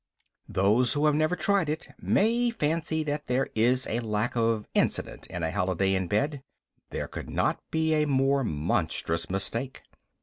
Those who have never tried it may fancy that there is a lack of incident in a holiday in bed. There could not be a more monstrous mistake.